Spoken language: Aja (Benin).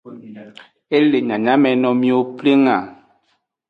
E le nyanyameno miwo pleng a.